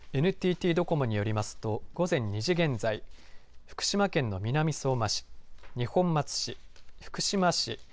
ＮＴＴドコモによりますと午前２時現在福島県の南相馬市二本松市福島市